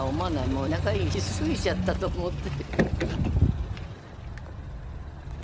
もう長生きしすぎちゃったと思って。